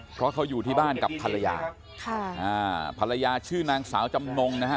เพราะเขาอยู่ที่บ้านกับภรรยาค่ะอ่าภรรยาชื่อนางสาวจำนงนะฮะ